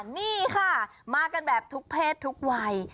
นี่ค่ะมากันแบบทุกเพศทุกวัย